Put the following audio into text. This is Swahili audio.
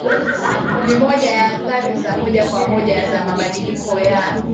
Ni moja ya athari za moja kwa moja za mabadiliko ya